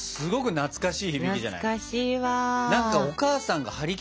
懐かしい。